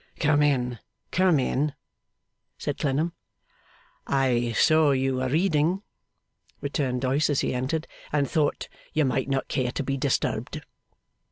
'Come in, come in!' said Clennam. 'I saw you were reading,' returned Doyce, as he entered, 'and thought you might not care to be disturbed.